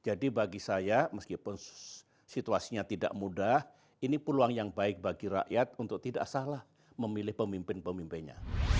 jadi bagi saya meskipun situasinya tidak mudah ini peluang yang baik bagi rakyat untuk tidak salah memilih pemimpin pemimpinnya